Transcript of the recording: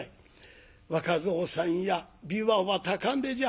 若蔵さんや琵琶は高嶺じゃ。